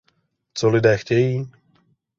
Co lidé chtějí?